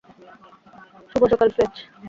শুভ সকাল, ফ্লেচ।